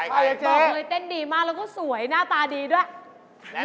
เป๊กมีนามเสนอเจ๊เจ๊บอกมันเต้นดีมากแล้วก็สวยหน้าตาดีด้วย